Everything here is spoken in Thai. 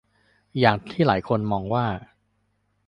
อย่างที่หลายคนมองว่า